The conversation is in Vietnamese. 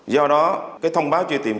do đó cái thông báo truy tìm